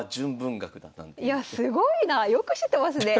いやすごいなよく知ってますね。